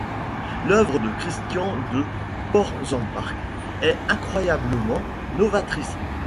L’œuvre de Christian de Portzamparc est incroyablement novatrice.